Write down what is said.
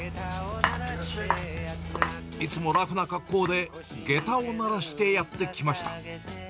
いつもラフな格好で、げたを鳴らしてやって来ました。